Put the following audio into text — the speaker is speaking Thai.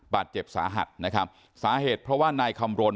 บาดเจ็บสาหัสนะครับสาเหตุเพราะว่านายคำรณ